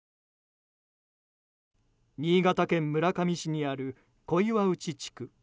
新潟県村上市にある小岩内地区。